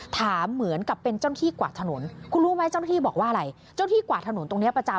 ถามเหมือนกับเป็นเจ้าหน้าที่กวาดถนนคุณรู้ไหมเจ้าหน้าที่บอกว่าอะไรเจ้าที่กวาดถนนตรงนี้ประจำ